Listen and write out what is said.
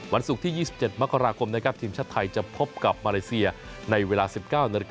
ศุกร์ที่๒๗มกราคมนะครับทีมชาติไทยจะพบกับมาเลเซียในเวลา๑๙นาฬิก